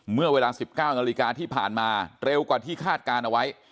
เมื่อเวลา๑๙นาฬิกาที่ผ่านมาเร็วกว่าที่คาดการณ์เอาไว้